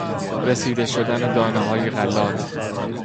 رسیده شدن دانههای غلات